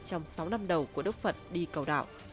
trong sáu năm đầu của đức phật đi cầu đảo